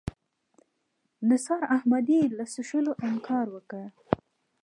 نثار احمدي له څښلو انکار وکړ.